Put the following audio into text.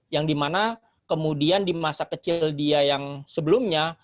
yang dimana kemudian di masa kecil dia yang sebelumnya